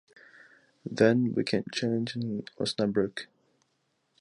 Then we can change in Osnabrück.